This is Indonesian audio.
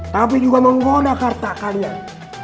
tapi juga menggoda harta kalian